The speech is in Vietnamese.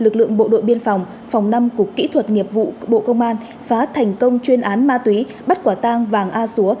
lực lượng bộ đội biên phòng phòng năm cục kỹ thuật nghiệp vụ bộ công an phá thành công chuyên án ma túy bắt quả tang vàng a xúa